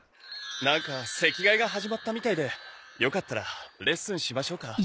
なんか席替えが始まったみたいでよかったらレッスンしましょうか？